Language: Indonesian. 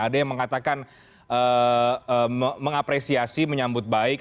ada yang mengatakan mengapresiasi menyambut baik